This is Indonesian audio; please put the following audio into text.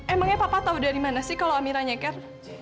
emangnya papa tahu dari mana sih kalau amira nyeker